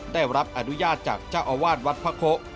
ได้รับอนุญาตจากเจ้าอาวาสวัดพระโค